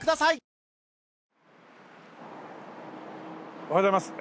おはようございます。